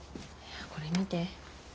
これ見て。